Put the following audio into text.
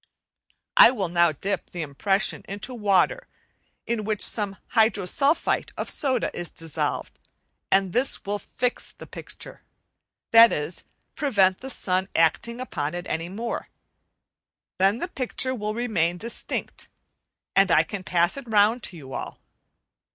I will now dip the impression into water in which some hyposulphite of soda is dissolved, and this will "fix" the picture, that is, prevent the sun acting upon it any more; then the picture will remain distinct, and I can pass it round to you all.